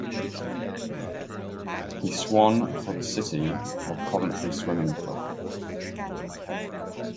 He swan for the City of Coventry Swimming Club.